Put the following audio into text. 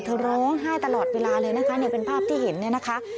เธอร้องไห้ตลอดเวลาเลยนะคะเป็นภาพที่เห็นนะคะ